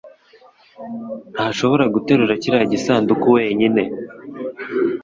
ntashobora guterura kiriya gisanduku wenyine.